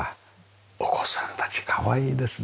お子さんたちかわいいですね。